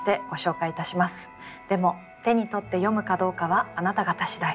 でも手に取って読むかどうかはあなた方次第。